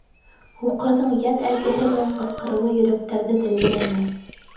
Һуҡырҙың йән әсеһе менән ҡысҡырыуы йөрәктәрҙе телгеләне.